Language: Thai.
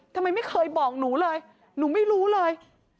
ทำไมไม่เคยบอกหนูเลยหนูไม่รู้เลย